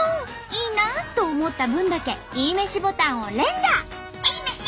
いいな！と思った分だけいいめしボタンを連打！